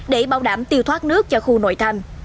để bảo đảm tiêu thoát nước cho khu nội thành